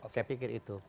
saya pikir itu